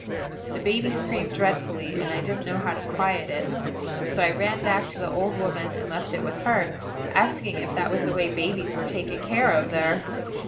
The baby screamed dreadfully, and I didn't know how to quiet it; so I ran back to the old woman, and left it with her, asking if that was the way babies were taken care of there.